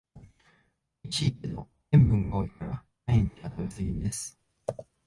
おいしいけど塩分が多いから毎日は食べすぎです